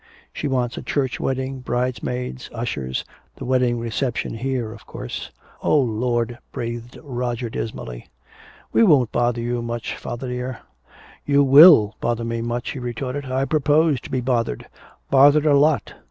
She wants a church wedding, bridesmaids, ushers the wedding reception here, of course " "Oh, Lord," breathed Roger dismally. "We won't bother you much, father dear " "You will bother me much," he retorted. "I propose to be bothered bothered a lot!